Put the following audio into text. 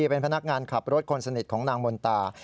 เป็นพนักงานขับรถคนสนิทของนางมนตา